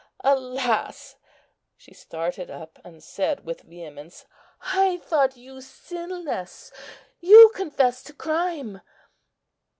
Alas!..." She started up, and said with vehemence, "I thought you sinless; you confess to crime....